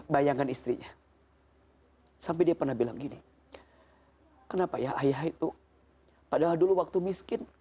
bayangkan istrinya sampai dia pernah bilang gini kenapa ya ayah itu padahal dulu waktu miskin